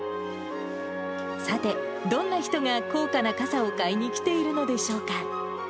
さて、どんな人が高価な傘を買いに来ているのでしょうか。